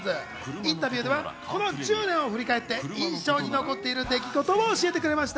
インタビューではこの１０年を振り返って、印象に残っている出来事を教えてくれました。